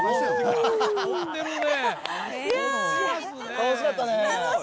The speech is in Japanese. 楽しかった！